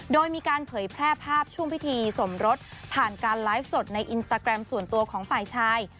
โดยมีการเผยแพร่ภาพช่วงพิธีสมรสผ่านการไลฟ์สดในอินสตาแกรมส่วนตัวของฝ่ายชาย